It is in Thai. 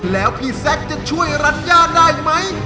แล้วพี่แซคจะช่วยรัญญาได้ไหม